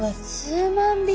数万匹？